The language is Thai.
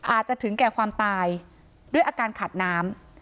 ถึงแก่ความตายด้วยอาการขาดน้ำ